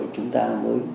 chúng ta mới